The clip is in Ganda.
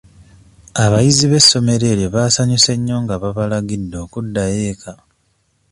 Abayizi b'essomero eryo baasanyuse nnyo nga babalagidde okuddayo eka.